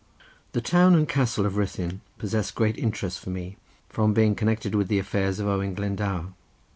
The town and castle of Ruthyn possessed great interest for me from being connected with the affairs of Owen Glendower.